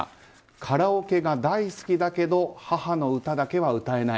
カラオケが大好きだけど母の歌だけは歌えない。